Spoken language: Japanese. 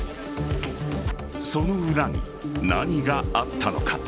その裏に何があったのか。